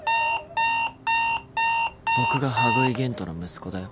僕が羽喰玄斗の息子だよ。